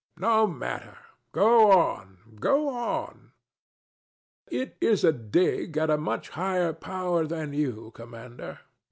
No matter: go on, go on. DON JUAN. It is a dig at a much higher power than you, Commander.